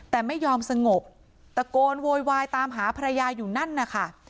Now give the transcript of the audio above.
แต่ไม่ยอมสงบตะโกนโวยวายตามหาภรรยาอยู่นั่นนะคะ